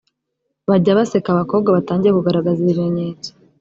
bajya baseka abakobwa batangiye kugaragaza ibimenyetso